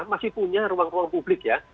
masih punya ruang ruang publik ya